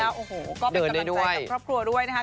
โอ้โหก็เป็นกำลังใจกับครอบครัวด้วยนะครับ